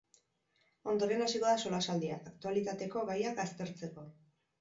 Ondoren hasiko da solasaldia, aktualitateko gaiak aztertzeko.